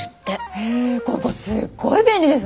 へえここすっごい便利ですね！